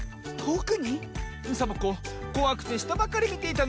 サボ子こわくてしたばかりみていたの。